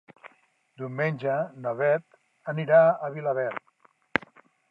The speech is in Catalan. Diumenge na Beth anirà a Vilaverd.